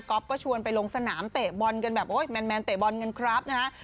ก็ชวนไปลงสนามเตะบอลกันแบบโอ๊ยแมนเตะบอลกันครับนะฮะ